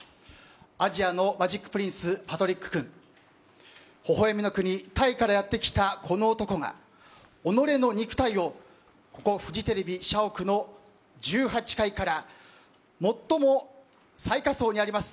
アジアのマジックプリンスパトリック・クンほほ笑みの国タイからやって来たこの男が己の肉体をここ、フジテレビ社屋の１８階からもっとも最下層にあります